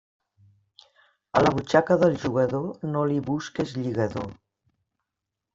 A la butxaca del jugador no li busques lligador.